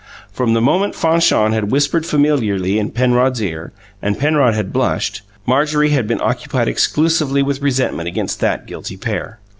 From the moment Fanchon had whispered familiarly in Penrod's ear, and Penrod had blushed, Marjorie had been occupied exclusively with resentment against that guilty pair.